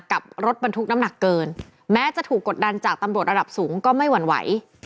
กับรถบรรทุกน้ำหนักเกินแม้จะถูกกดดันจากตำรวจระดับสูงก็ไม่หวั่นไหว